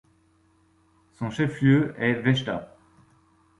Son chef-lieu est Vechta.